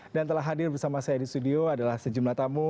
dan telah hadir bersama saya di studio adalah sejumlah tamu